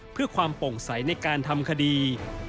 เพื่อความโปร่งใสในการทำคดี